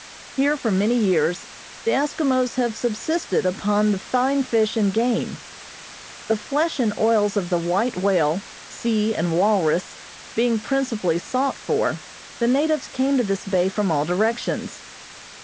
Here for many years the Eskimos have subsisted upon the fine fish and game. The flesh and oils of the white whale, seal and walrus being principally sought for, the natives came to this bay from all directions.